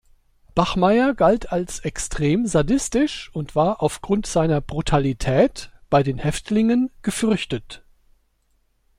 Bachmayer galt als extrem sadistisch und war aufgrund seiner Brutalität bei den Häftlingen gefürchtet.